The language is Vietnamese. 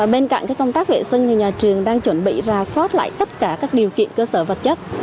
bên cạnh công tác vệ sinh thì nhà trường đang chuẩn bị ra soát lại tất cả các điều kiện cơ sở vật chất